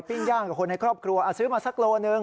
ย่างกับคนในครอบครัวซื้อมาสักโลหนึ่ง